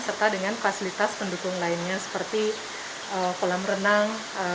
serta dengan fasilitas pendukung lainnya seperti kolam renang